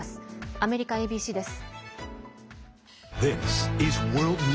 アメリカＡＢＣです。